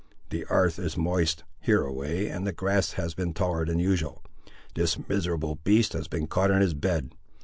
The 'arth is moist, hereaway, and the grass has been taller than usual. This miserable beast has been caught in his bed.